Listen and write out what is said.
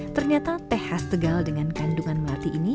ternyata teh khas tegal dengan kandungan melati ini